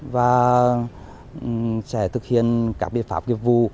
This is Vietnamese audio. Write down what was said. và sẽ thực hiện các biện pháp nghiệp vụ